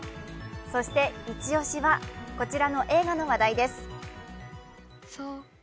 そして、イチ押しはこちらの映画の話題です。